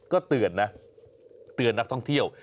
ก็เตือนนะเตือนนักท่องเที่ยว